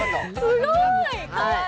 すごーい！